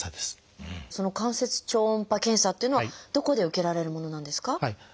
その関節超音波検査っていうのはどこで受けられるものなんですか？